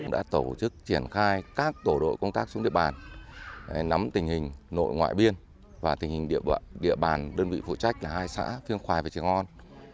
đã tổ chức triển khai các tổ đội công tác xuống địa bàn nắm tình hình nội ngoại biên và tình hình địa bàn đơn vị phụ trách là hai xã phiêng khoai và triều ngôn